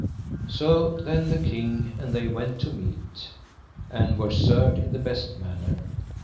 So then the king and they went to meat, and were served in the best manner.